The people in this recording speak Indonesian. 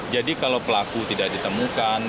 jadi kalau pelaku tidak ditemukan